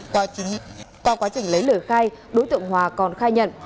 qua quá trình lấy lời khai đối tượng hòa còn khai nhận